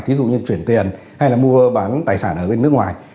thí dụ như chuyển tiền hay là mua bán tài sản ở bên nước ngoài